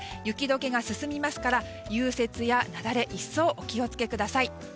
雪解けが進みますから融雪や雪崩一層、お気をつけください。